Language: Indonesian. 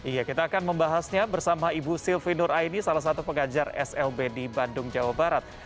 iya kita akan membahasnya bersama ibu silvi nur aini salah satu pengajar slb di bandung jawa barat